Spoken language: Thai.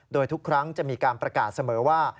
โดยทุกครั้งจะมีการประกาศเสมอว่า